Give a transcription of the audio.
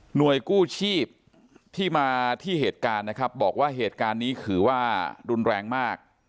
กู้ชีพที่มาที่เหตุการณ์นะครับบอกว่าเหตุการณ์นี้ถือว่ารุนแรงมาก